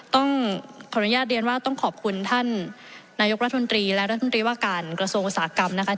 ต้องขออนุญาตเรียนว่าต้องขอบคุณท่านนายกรัฐมนตรีและรัฐมนตรีว่าการกระทรวงอุตสาหกรรมนะคะ